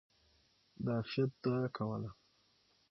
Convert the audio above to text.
د عافيت دعاء کوله!!.